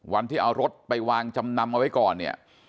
วันที่เอารถไปวางจำนำเอาไว้ก่อนเนี่ย